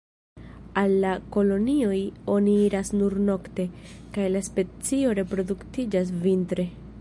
Al la kolonioj oni iras nur nokte, kaj la specio reproduktiĝas vintre.